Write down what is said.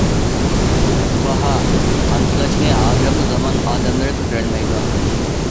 باھا: قامچىلاشنى ھازىرقى زامان ئادەملىرى كۆتۈرەلمەيدۇ.